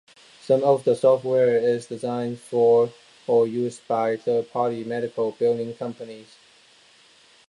Some of the software is designed for or used by third-party medical billing companies.